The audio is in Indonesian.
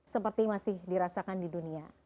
seperti masih dirasakan di dunia